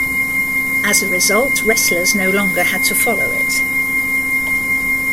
As a result, wrestlers no longer had to follow it.